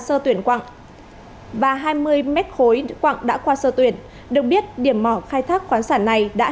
sơ tuyển quặng và hai mươi mét khối quạng đã qua sơ tuyển được biết điểm mỏ khai thác khoáng sản này đã